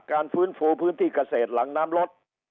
ฟื้นฟูพื้นที่เกษตรหลังน้ำลด